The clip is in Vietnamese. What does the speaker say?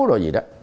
rồi gì đó